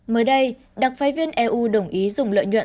mới đây đặc phái viên eu đồng ý dùng lợi nhuận